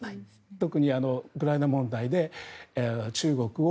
特にウクライナ問題で中国を。